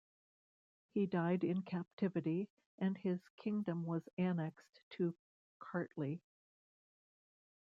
He died in captivity and his kingdom was annexed to Kartli.